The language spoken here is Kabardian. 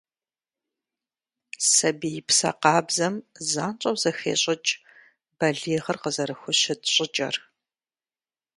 Сабиипсэ къабзэм занщӀэу зэхещӀыкӀ балигъыр къызэрыхущыт щӀыкӀэр.